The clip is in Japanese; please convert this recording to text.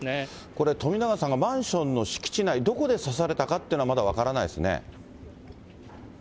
これ、とみながさんがマンションの敷地内、どこで刺されたかっていうのはまだ分からないですね？